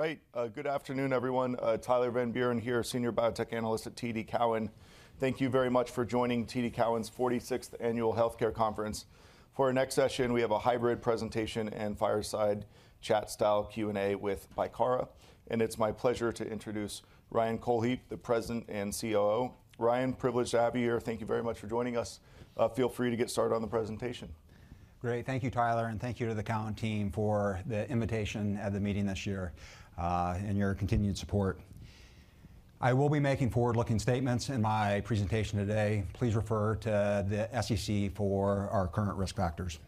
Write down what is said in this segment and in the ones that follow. Right. good afternoon everyone. Tyler Van Buren here, Senior Research Analyst at TD Cowen. Thank you very much for joining TD Cowen's 46th annual health care conference. For our next session, we have a hybrid presentation and fireside chat style Q&A with Bicara, and it's my pleasure to introduce Ryan Cohlhepp, the President and COO. Ryan, privileged to have you here. Thank you very much for joining us. feel free to get started on the presentation. Great. Thank you, Tyler, and thank you to the Cowen team for the invitation at the meeting this year, and your continued support. I will be making forward-looking statements in my presentation today. Please refer to the SEC for our current risk factors.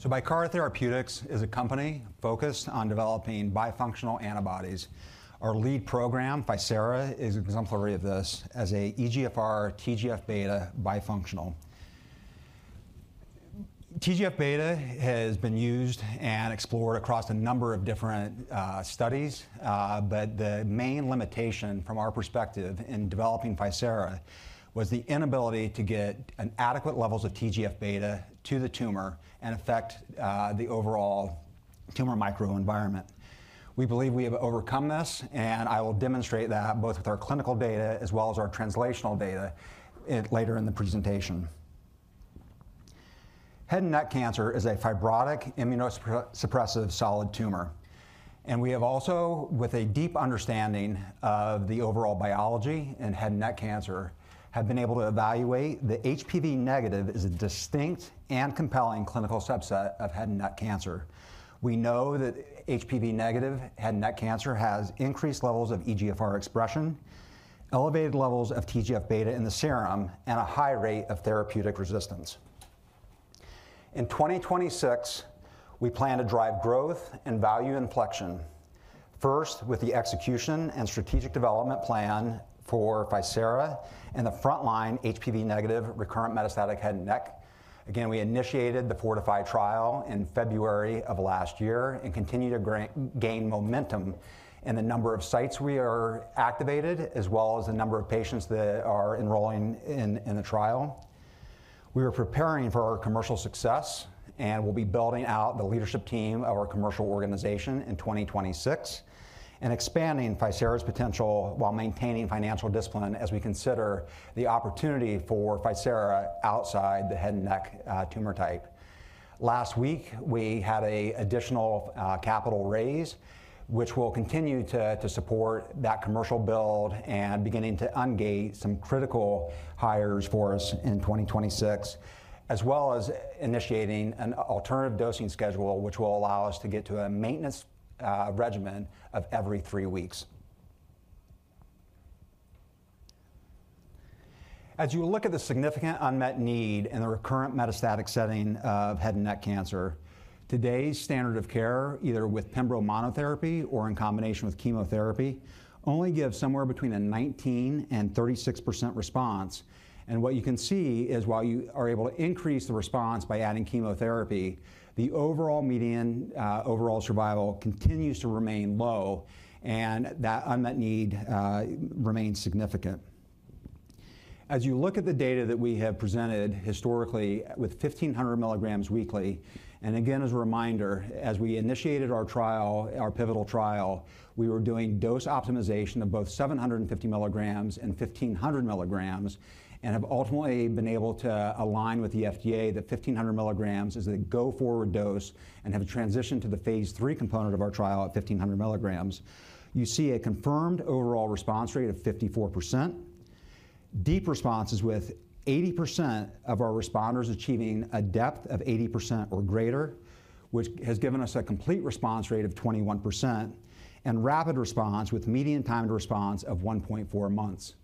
Bicara Therapeutics is a company focused on developing bifunctional antibodies. Our lead program, FICERA, is exemplary of this as a EGFR TGF-beta bifunctional. TGF-beta has been used and explored across a number of different studies, but the main limitation from our perspective in developing FICERA was the inability to get an adequate levels of TGF-beta to the tumor and affect the overall tumor microenvironment. We believe we have overcome this, and I will demonstrate that both with our clinical data as well as our translational data later in the presentation. Head and neck cancer is a fibrotic immunosuppressive solid tumor, we have also, with a deep understanding of the overall biology in head and neck cancer, have been able to evaluate that HPV-negative is a distinct and compelling clinical subset of head and neck cancer. We know that HPV-negative head and neck cancer has increased levels of EGFR expression, elevated levels of TGF-beta in the serum, and a high rate of therapeutic resistance. In 2026, we plan to drive growth and value inflection, first with the execution and strategic development plan for FICERA in the frontline HPV-negative recurrent metastatic head and neck. Again, we initiated the FORTIFY trial in February of last year and continue to gain momentum in the number of sites we are activated, as well as the number of patients that are enrolling in the trial. We are preparing for our commercial success and will be building out the leadership team of our commercial organization in 2026 and expanding FICERA's potential while maintaining financial discipline as we consider the opportunity for FICERA outside the head and neck tumor type. Last week, we had a additional capital raise, which will continue to support that commercial build and beginning to un-gate some critical hires for us in 2026, as well as initiating an alternative dosing schedule, which will allow us to get to a maintenance regimen of every three weeks. As you look at the significant unmet need in the recurrent metastatic setting of head and neck cancer, today's standard of care, either with pembro monotherapy or in combination with chemotherapy, only give somewhere between a 19% and 36% response. What you can see is while you are able to increase the response by adding chemotherapy, the overall median overall survival continues to remain low and that unmet need remains significant. As you look at the data that we have presented historically with 1,500 mg weekly, again, as a reminder, as we initiated our trial, our pivotal trial, we were doing dose optimization of both 750 mg and 1,500 mg and have ultimately been able to align with the FDA that 1,500 mg is a go forward dose and have transitioned to the phase III component of our trial at 1,500 mg. You see a confirmed overall response rate of 54%, deep responses with 80% of our responders achieving a depth of 80% or greater, which has given us a complete response rate of 21% and rapid response with median time to response of 1.4 months.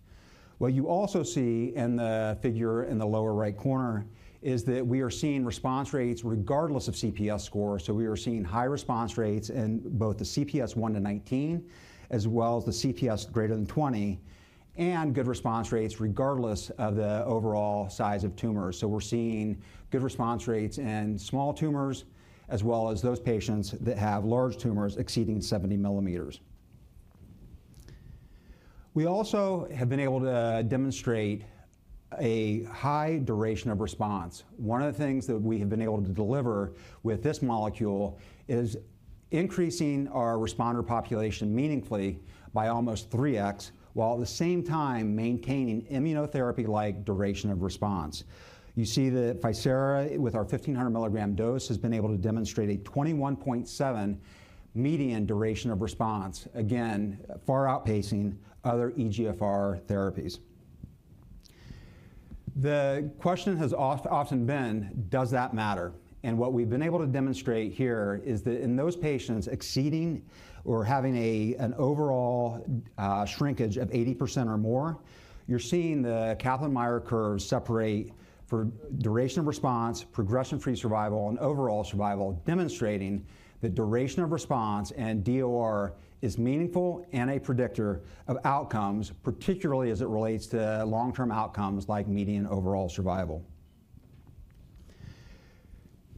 What you also see in the figure in the lower right corner is that we are seeing response rates regardless of CPS score. We are seeing high response rates in both the CPS 1-19 as well as the CPS greater than 20 and good response rates regardless of the overall size of tumors. We're seeing good response rates in small tumors as well as those patients that have large tumors exceeding 70 mm. We also have been able to demonstrate a high duration of response. One of the things that we have been able to deliver with this molecule is increasing our responder population meaningfully by almost 3x while at the same time maintaining immunotherapy-like duration of response. You see that FICERA with our 1,500 mg dose has been able to demonstrate a 21.7 median duration of response, again, far outpacing other EGFR therapies. The question has often been does that matter? What we've been able to demonstrate here is that in those patients exceeding or having an overall shrinkage of 80% or more, you're seeing the Kaplan-Meier curves separate for duration of response, progression-free survival, and overall survival, demonstrating that duration of response and DOR is meaningful and a predictor of outcomes, particularly as it relates to long-term outcomes like median overall survival.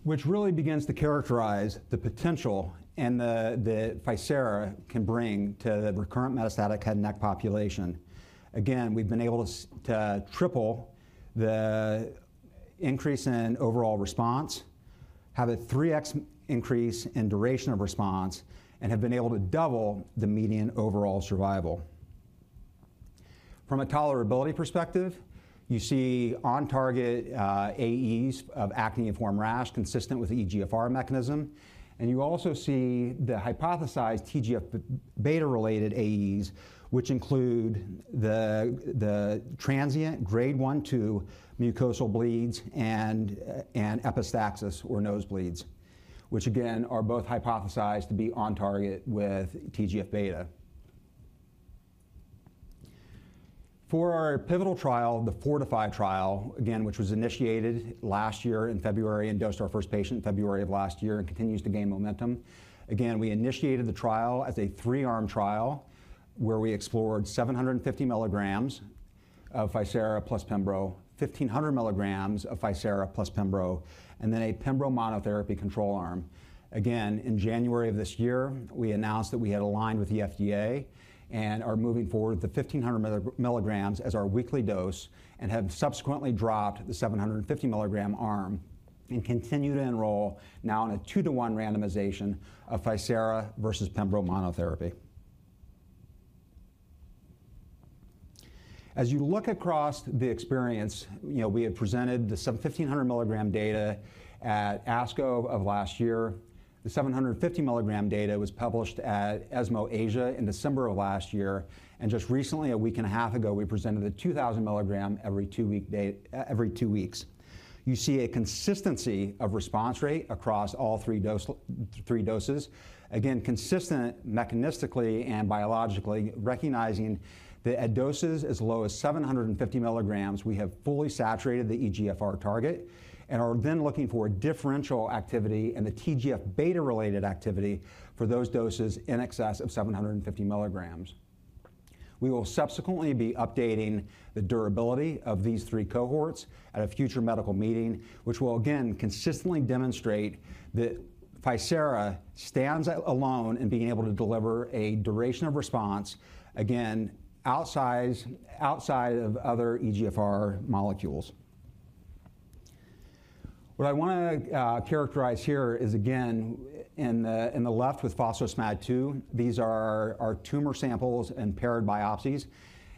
Which really begins to characterize the potential that FICERA can bring to the recurrent metastatic head and neck population. Again, we've been able to triple the increase in overall response, have a 3x increase in duration of response, and have been able to double the median overall survival. From a tolerability perspective, you see on-target AEs of acneiform rash consistent with EGFR mechanism. You also see the hypothesized TGF-beta-related AEs, which include the transient grade 1-2 mucosal bleeds and epistaxis or nosebleeds, which again are both hypothesized to be on target with TGF-beta. For our pivotal trial, the FORTIFY trial, again, which was initiated last year in February and dosed our first patient February of last year and continues to gain momentum. We initiated the trial as a three-arm trial where we explored 750 mg of FICERA plus pembro, 1,500 mg of FICERA plus pembro, and then a pembro monotherapy control arm. In January of this year, we announced that we had aligned with the FDA and are moving forward with the 1,500 mg as our weekly dose and have subsequently dropped the 750 mg arm and continue to enroll now in a 2-to-1 randomization of FICERA versus pembro monotherapy. As you look across the experience, we had presented the 1,500 mg data at ASCO of last year. The 750 mg data was published at ESMO Asia in December of last year. Just recently, a week and a half ago, we presented the 2,000 mg every two weeks. You see a consistency of response rate across all three doses. Again, consistent mechanistically and biologically, recognizing that at doses as low as 750 mg, we have fully saturated the EGFR target and are then looking for a differential activity and the TGF-beta-related activity for those doses in excess of 750 mg. We will subsequently be updating the durability of these three cohorts at a future medical meeting, which will, again, consistently demonstrate that FICERA stands alone in being able to deliver a duration of response, again, outside of other EGFR molecules. What I want to characterize here is, again, in the left with phospho-SMAD2, these are our tumor samples and paired biopsies.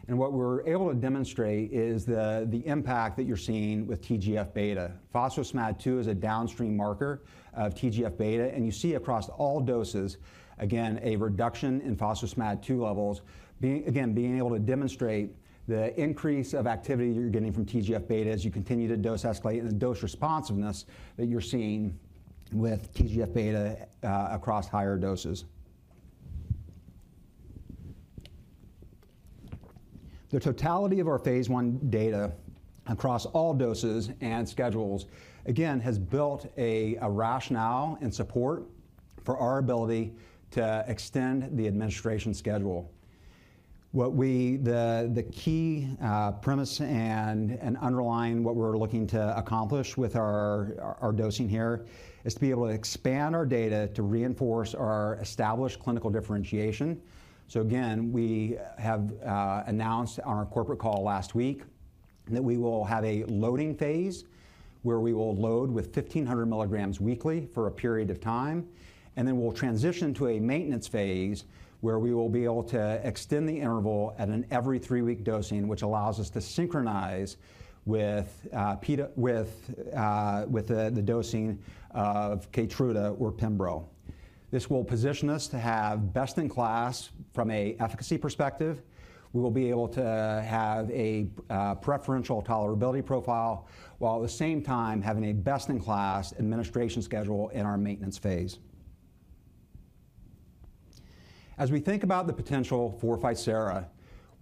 And what we're able to demonstrate is the impact that you're seeing with TGF-beta. phospho-SMAD2 is a downstream marker of TGF-beta. You see across all doses, again, a reduction in phospho-SMAD2 levels, again, being able to demonstrate the increase of activity you're getting from TGF-beta as you continue to dose escalate and the dose responsiveness that you're seeing with TGF-beta across higher doses. The totality of our phase I data across all doses and schedules, again, has built a rationale and support for our ability to extend the administration schedule. The key premise and underlying what we're looking to accomplish with our dosing here is to be able to expand our data to reinforce our established clinical differentiation. Again, we have announced on our corporate call last week that we will have a loading phase where we will load with 1,500 mg weekly for a period of time. Then we'll transition to a maintenance phase where we will be able to extend the interval at an every three-week dosing, which allows us to synchronize with the dosing of KEYTRUDA or pembrolizumab. This will position us to have best-in-class from an efficacy perspective. We will be able to have a preferential tolerability profile while at the same time having a best-in-class administration schedule in our maintenance phase. As we think about the potential for FICERA,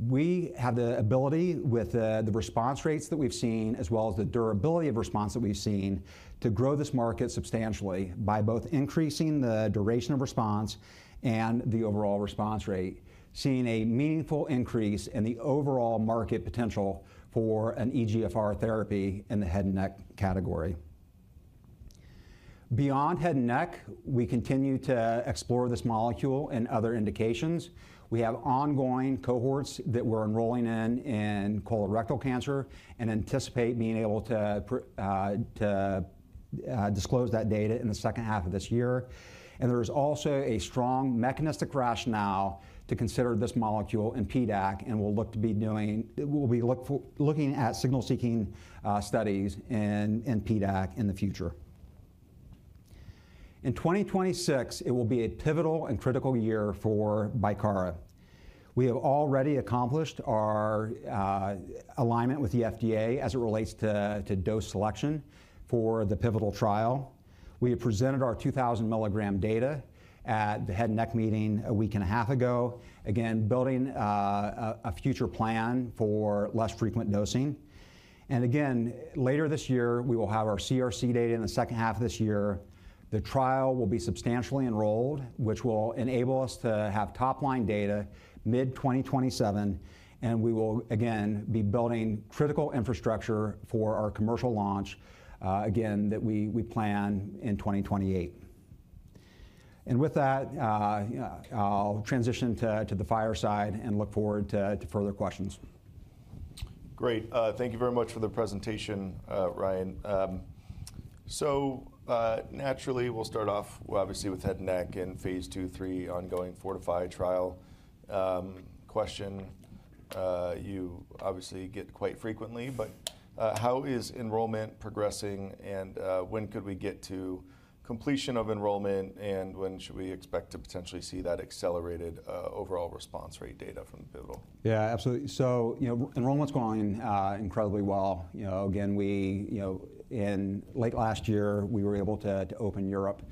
we have the ability with the response rates that we've seen as well as the durability of response that we've seen to grow this market substantially by both increasing the duration of response and the overall response rate, seeing a meaningful increase in the overall market potential for an EGFR therapy in the head and neck category. Beyond head and neck, we continue to explore this molecule in other indications. We have ongoing cohorts that we're enrolling in in colorectal cancer and anticipate being able to disclose that data in the second half of this year. There is also a strong mechanistic rationale to consider this molecule in PDAC and we'll be looking at signal-seeking studies in PDAC in the future. In 2026, it will be a pivotal and critical year for Bicara. We have already accomplished our alignment with the FDA as it relates to dose selection for the pivotal trial. We have presented our 2,000 mg data at the head and neck meeting a week and a half ago, again, building a future plan for less frequent dosing. Again, later this year, we will have our CRC data in the second half of this year. The trial will be substantially enrolled, which will enable us to have top-line data mid-2027. We will, again, be building critical infrastructure for our commercial launch, again, that we plan in 2028. With that, I'll transition to the fireside and look forward to further questions. Great. Thank you very much for the presentation, Ryan. Naturally we'll start off obviously with head and neck and phase II/III ongoing FORTIFI-HN01 trial. Question, you obviously get quite frequently, but how is enrollment progressing, and when could we get to completion of enrollment, and when should we expect to potentially see that accelerated, overall response rate data from pivotal? You know, enrollment's going incredibly well. You know, again, we, you know, in late last year we were able to open Europe,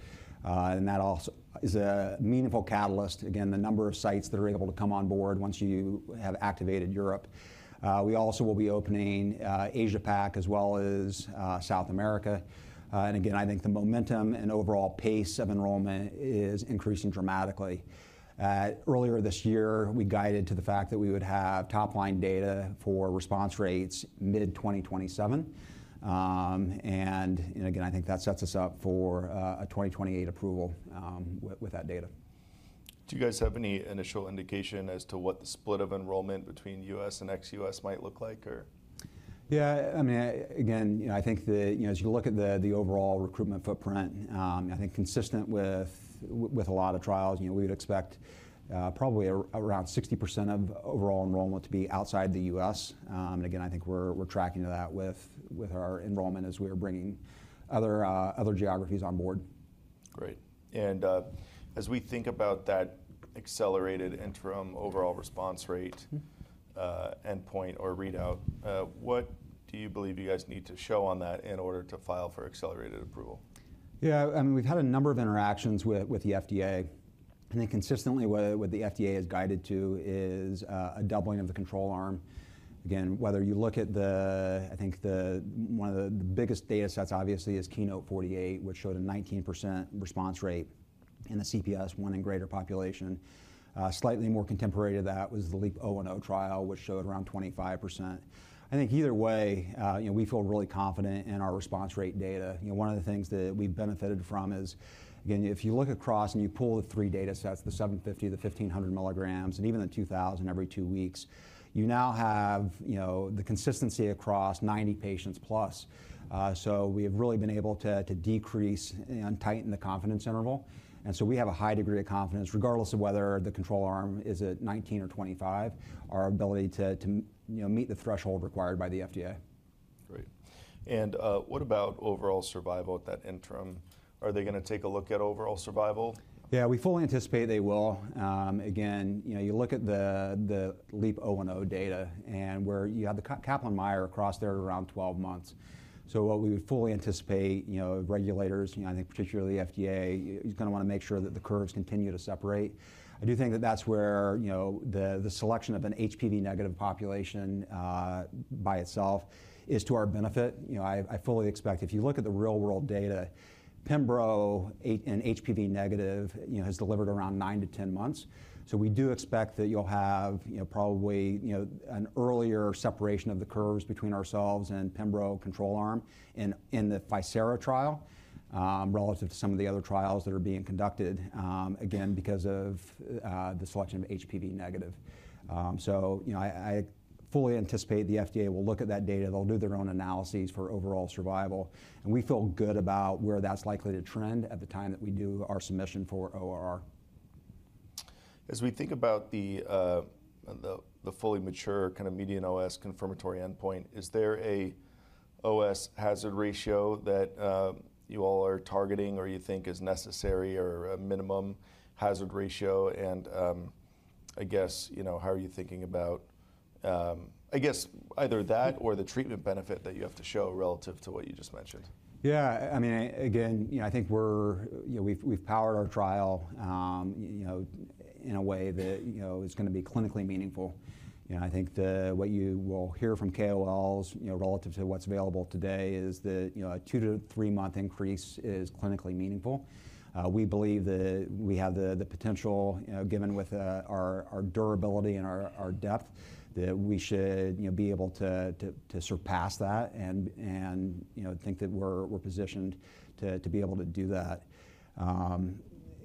that also is a meaningful catalyst. Again, the number of sites that are able to come on board once you have activated Europe. We also will be opening Asia Pac as well as South America. Again, I think the momentum and overall pace of enrollment is increasing dramatically. Earlier this year, we guided to the fact that we would have top line data for response rates mid-2027. You know, again, I think that sets us up for a 2028 approval with that data. Do you guys have any initial indication as to what the split of enrollment between U.S. and ex-U.S. might look like or? Yeah. I mean, again, you know, I think the. You know, as you look at the overall recruitment footprint, I think consistent with a lot of trials, you know, we would expect probably around 60% of overall enrollment to be outside the U.S. Again, I think we're tracking to that with our enrollment as we are bringing other geographies on board. Great. As we think about that accelerated interim overall response rate. Mm. Endpoint or readout, what do you believe you guys need to show on that in order to file for Accelerated Approval? I mean, we've had a number of interactions with the FDA, consistently what the FDA has guided to is a doubling of the control arm. Whether you look at, I think the one of the biggest data sets obviously is KEYNOTE-048, which showed a 19% response rate in the CPS one and greater population. Slightly more contemporary to that was the LEAP-010 trial, which showed around 25%. Either way, you know, we feel really confident in our response rate data. You know, one of the things that we benefited from is, if you look across and you pull the three datasets, the 750, the 1,500 mg, and even the 2,000 every two weeks, you now have, you know, the consistency across 90 patients plus. We have really been able to decrease and tighten the confidence interval. We have a high degree of confidence regardless of whether the control arm is at 19 or 25, our ability to, you know, meet the threshold required by the FDA. Great. What about overall survival at that interim? Are they gonna take a look at overall survival? Yeah, we fully anticipate they will. Again, you know, you look at the LEAP-010 data and where you have the Kaplan-Meier crossed there at around 12 months. What we would fully anticipate, you know, regulators, you know, I think particularly the FDA, you kinda wanna make sure that the curves continue to separate. I do think that that's where, you know, the selection of an HPV-negative population, by itself is to our benefit. You know, I fully expect. If you look at the real world data, pembrolizumab 8 and HPV-negative, you know, has delivered around nine to 10 months. We do expect that you'll have, you know, probably, you know, an earlier separation of the curves between ourselves and pembrolizumab control arm in the FICERA trial, relative to some of the other trials that are being conducted, again, because of the selection of HPV-negative. I fully anticipate the FDA will look at that data. They'll do their own analyses for overall survival, and we feel good about where that's likely to trend at the time that we do our submission for ORR. As we think about the fully mature kind of median OS confirmatory endpoint, is there a OS hazard ratio that you all are targeting or you think is necessary or a minimum hazard ratio and, I guess, you know, how are you thinking about... I guess either that or the treatment benefit that you have to show relative to what you just mentioned? Yeah. I mean, again, you know, I think we're, you know, we've powered our trial, you know, in a way that, you know, is gonna be clinically meaningful. You know, I think the, what you will hear from KOLs, you know, relative to what's available today is that, you know, a two to three-month increase is clinically meaningful. We believe that we have the potential, you know, given with, our durability and our depth that we should, you know, be able to surpass that and, you know, think that we're positioned to be able to do that.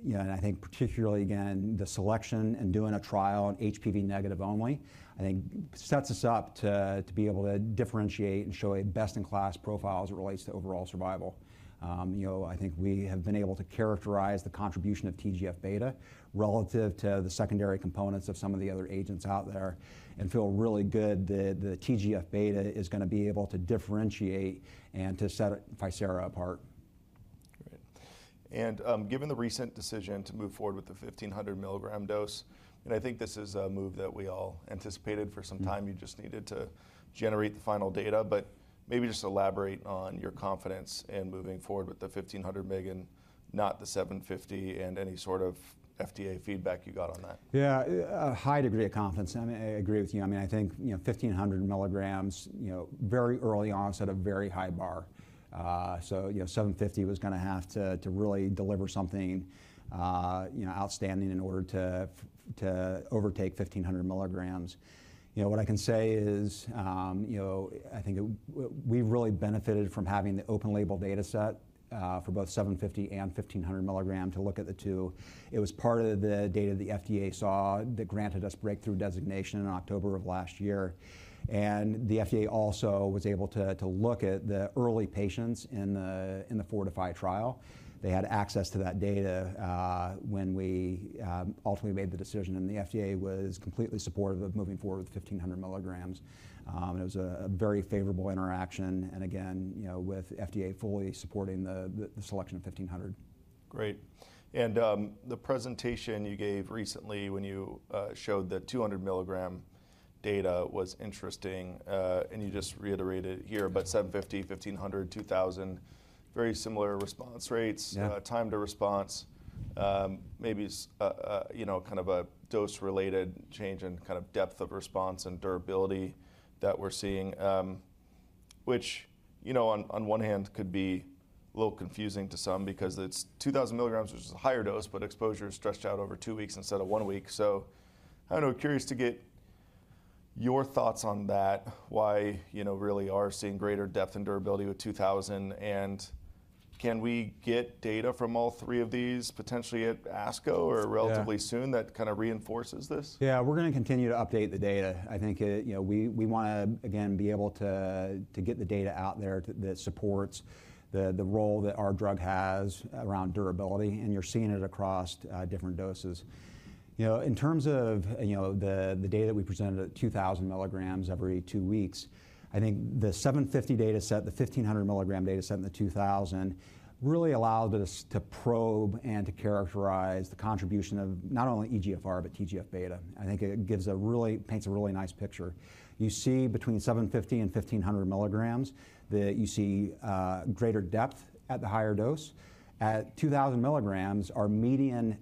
You know, and I think particularly again, the selection and doing a trial on HPV-negative only, I think sets us up to be able to differentiate and show a best in class profile as it relates to overall survival. You know, I think we have been able to characterize the contribution of TGF-beta relative to the secondary components of some of the other agents out there and feel really good that the TGF-beta is gonna be able to differentiate and to set FICERA apart. Great. Given the recent decision to move forward with the 1,500 mg dose, I think this is a move that we all anticipated for some time. You just needed to generate the final data, maybe just elaborate on your confidence in moving forward with the 1,500 mig and not the 750 and any sort of FDA feedback you got on that. Yeah. A high degree of confidence. I mean, I agree with you. I mean, I think, you know, 1,500 mg, you know, very early onset, a very high bar. So, you know, 750 was gonna have to really deliver something, you know, outstanding in order to to overtake 1,500 mg. You know, what I can say is, you know, I think we've really benefited from having the open label dataset, for both 750 and 1,500 mg to look at the two. It was part of the data the FDA saw that granted us Breakthrough designation in October of last year. The FDA also was able to look at the early patients in the FORTIFI trial. They had access to that data, when we ultimately made the decision, and the FDA was completely supportive of moving forward with 1500 mg. It was a very favorable interaction and again, you know, with FDA fully supporting the selection of 1500. Great. The presentation you gave recently when you showed the 200 mg data was interesting, and you just reiterated here, but 750, 1,500, 2,000, very similar response rates. Yeah Time to response. Maybe, you know, kind of a dose-related change in kind of depth of response and durability that we're seeing. Which, you know, on one hand could be a little confusing to some because it's 2,000 mg, which is a higher dose, but exposure is stretched out over two weeks instead of one week. I don't know, curious to get your thoughts on that, why, you know, really are seeing greater depth and durability with 2,000, and can we get data from all three of these potentially at ASCO or relatively? Yeah Soon that kind of reinforces this? Yeah. We're gonna continue to update the data. I think, you know, we wanna, again, be able to get the data out there that supports the role that our drug has around durability, and you're seeing it across different doses. You know, in terms of, you know, the data that we presented at 2,000 mg every two weeks, I think the 750 data set, the 1,500 mg data set, and the 2,000 really allowed us to probe and to characterize the contribution of not only EGFR, but TGF-beta. I think it paints a really nice picture. You see between 750 and 1,500 mg that you see greater depth at the higher dose. At 2,000 mg, our median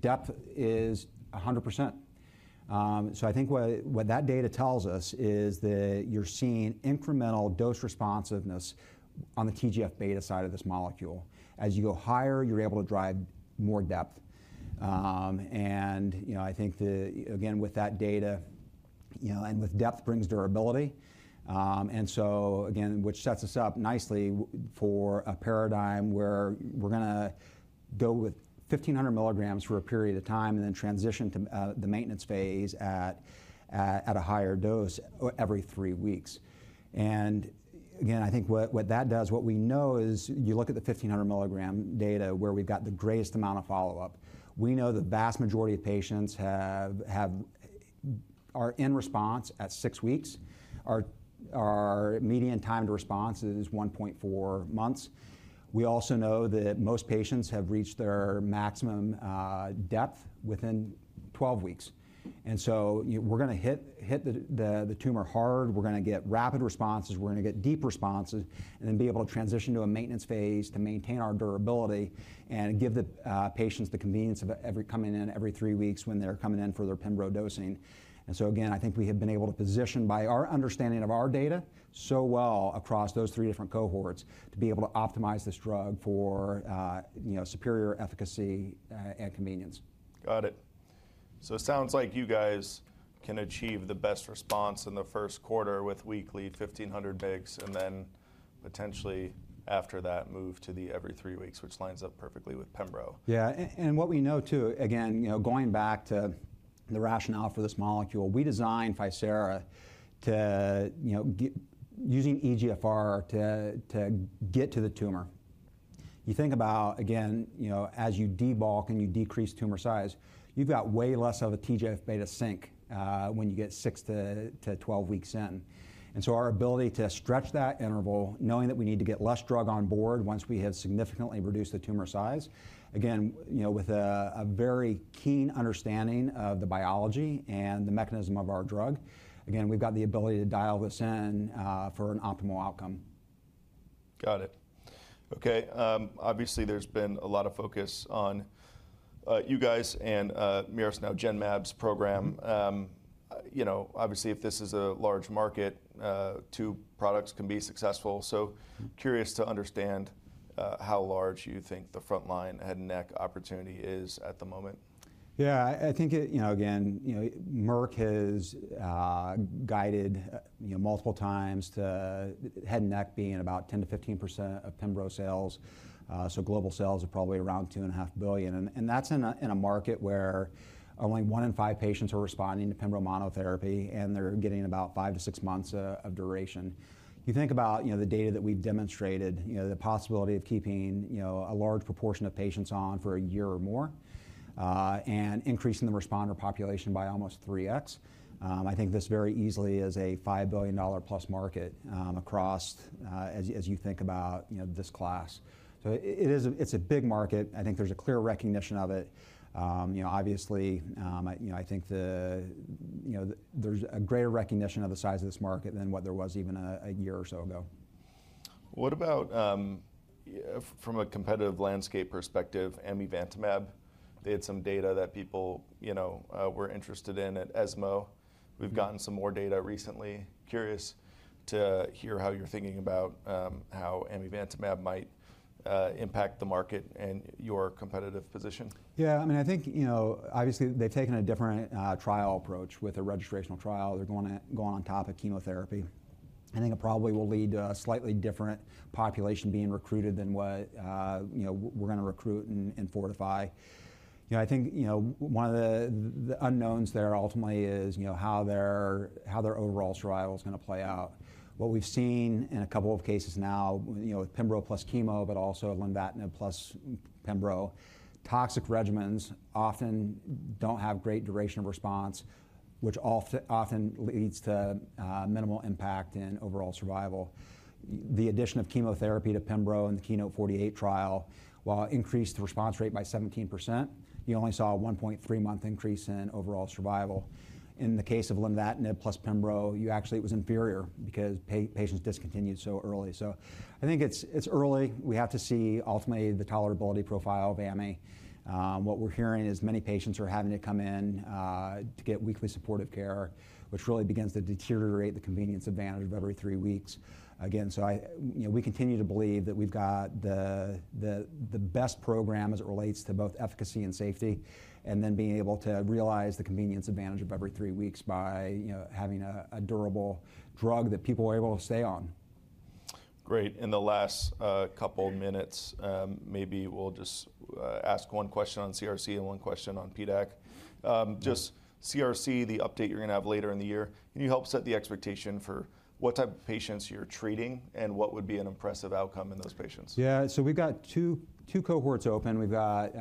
depth is 100%. I think what that data tells us is that you're seeing incremental dose responsiveness on the TGF-beta side of this molecule. As you go higher, you're able to drive more depth. You know, I think again, with that data, you know, and with depth brings durability. Again, which sets us up nicely for a paradigm where we're gonna go with 1,500 mg for a period of time, and then transition to the maintenance phase at a higher dose every three weeks. Again, I think what that does, what we know is you look at the 1,500 mg data where we've got the greatest amount of follow-up. We know the vast majority of patients are in response at six weeks. Our median time to response is 1.4 months. We also know that most patients have reached their maximum depth within 12 weeks. We're gonna hit the tumor hard. We're gonna get rapid responses. We're gonna get deep responses and then be able to transition to a maintenance phase to maintain our durability and give the patients the convenience of coming in every three weeks when they're coming in for their pembro dosing. Again, I think we have been able to position by our understanding of our data so well across those three different cohorts to be able to optimize this drug for, you know, superior efficacy and convenience. Got it. It sounds like you guys can achieve the best response in the first quarter with weekly 1,500 migs, and then potentially after that move to the every three weeks, which lines up perfectly with pembro. Yeah. And what we know too, again, you know, going back to the rationale for this molecule, we designed FICERA to, you know, using EGFR to get to the tumor. You think about, again, you know, as you debulk and you decrease tumor size, you've got way less of a TGF-beta sink, when you get six to 12 weeks in. Our ability to stretch that interval knowing that we need to get less drug on board once we have significantly reduced the tumor size, again, you know, with a very keen understanding of the biology and the mechanism of our drug, again, we've got the ability to dial this in for an optimal outcome. Got it. Okay. obviously, there's been a lot of focus on you guys and Mirati now Genmab's program. you know, obviously, if this is a large market, two products can be successful. Mm-hmm Curious to understand how large you think the frontline head and neck opportunity is at the moment. Yeah. I think it, you know, again, you know, Merck has guided, you know, multiple times to head and neck being about 10%-15% of pembro sales. Global sales are probably around $2.5 billion. That's in a market where only one in five patients are responding to pembro monotherapy, and they're getting about five-six months of duration. You think about, you know, the data that we've demonstrated, you know, the possibility of keeping, you know, a large proportion of patients on for a year or more, and increasing the responder population by almost 3x. I think this very easily is a $5 billion+ market across, as you think about, you know, this class. It's a big market. I think there's a clear recognition of it. you know, obviously, you know, I think, you know, there's a greater recognition of the size of this market than what there was even a year or so ago. What about from a competitive landscape perspective, amivantamab? They had some data that people, you know, were interested in at ESMO. We've gotten some more data recently. Curious to hear how you're thinking about how amivantamab might impact the market and your competitive position. I mean, I think, you know, obviously they've taken a different, trial approach with a registrational trial. They're going on top of chemotherapy. I think it probably will lead to a slightly different population being recruited than what, you know, we're gonna recruit in FORTIFI. You know, I think, you know, one of the unknowns there ultimately is, you know, how their, how their overall survival's gonna play out. What we've seen in a couple of cases now, you know, with pembrolizumab plus chemo, but also lenvatinib plus pembrolizumab, toxic regimens often don't have great duration of response which often leads to minimal impact in overall survival. The addition of chemotherapy to pembrolizumab in the KEYNOTE-048 trial, while increased the response rate by 17%, you only saw a 1.3-month increase in overall survival. In the case of lenvatinib plus pembrolizumab, you actually, it was inferior because patients discontinued so early. I think it's early. We have to see ultimately the tolerability profile of ami. What we're hearing is many patients are having to come in to get weekly supportive care which really begins to deteriorate the convenience advantage of every three weeks. Again, I, you know, we continue to believe that we've got the best program as it relates to both efficacy and safety and then being able to realize the convenience advantage of every three weeks by, you know, having a durable drug that people are able to stay on. Great. In the last couple minutes, maybe we'll just ask one question on CRC and one question on PDAC. Just CRC, the update you're gonna have later in the year, can you help set the expectation for what type of patients you're treating and what would be an impressive outcome in those patients? Yeah. We've got two cohorts open. We've got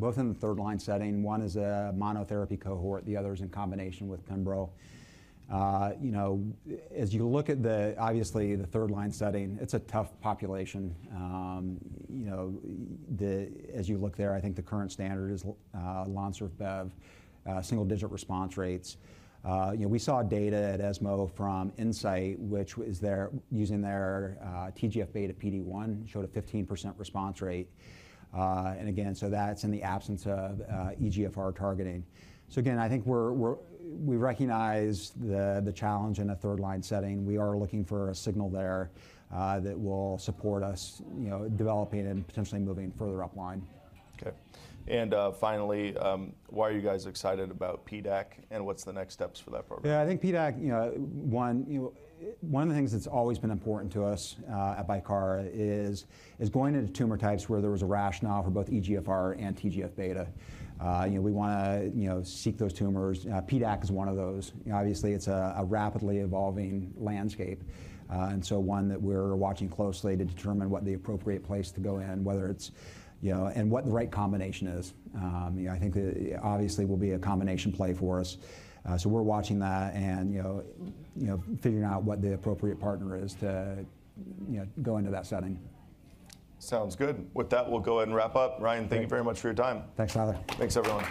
both in the third line setting. One is a monotherapy cohort, the other is in combination with pembrolizumab. You know, as you look at the, obviously the third line setting, it's a tough population. You know, as you look there, I think the current standard is Lonsurf, single-digit response rates. You know, we saw data at ESMO from Incyte which was their, using their TGF-beta PD-1, showed a 15% response rate. Again, that's in the absence of EGFR targeting. Again, I think we recognize the challenge in a third line setting. We are looking for a signal there that will support us, you know, developing and potentially moving further up line. Okay. Finally, why are you guys excited about PDAC, and what's the next steps for that program? Yeah. I think PDAC, you know, One of the things that's always been important to us at Bicara is going into tumor types where there was a rationale for both EGFR and TGF-beta. You know, we wanna, you know, seek those tumors. PDAC is one of those. You know, obviously it's a rapidly evolving landscape, and so one that we're watching closely to determine what the appropriate place to go in, whether it's, you know, and what the right combination is. You know, I think obviously will be a combination play for us. So we're watching that and, you know, figuring out what the appropriate partner is to, you know, go into that setting. Sounds good. With that, we'll go ahead and wrap up. Ryan- Great. Thank you very much for your time. Thanks, Tyler. Thanks, everyone.